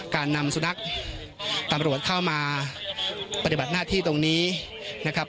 การนำสุนัขตำรวจเข้ามาปฏิบัติหน้าที่ตรงนี้นะครับ